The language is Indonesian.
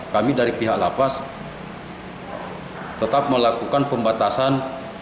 kami dari pihak lapas tetap melakukan pembatasan